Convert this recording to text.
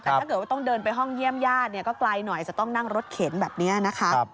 แต่ถ้าเกิดว่าต้องเดินไปห้องเยี่ยมญาติก็ไกลหน่อยจะต้องนั่งรถเข็นแบบนี้นะคะ